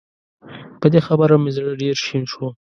په دې خبره مې زړه ډېر شين شو